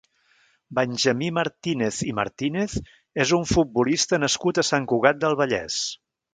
Benjamí Martínez i Martínez és un futbolista nascut a Sant Cugat del Vallès.